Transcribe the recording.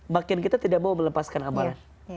makin kita tidak mau melepaskan amalan